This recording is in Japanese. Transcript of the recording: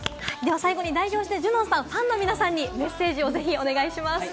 最後に代表してＪＵＮＯＮさん、ファンの皆さんにメッセージをお願いします。